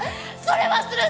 それはする！